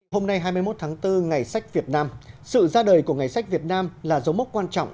hôm nay hai mươi một tháng bốn ngày sách việt nam sự ra đời của ngày sách việt nam là dấu mốc quan trọng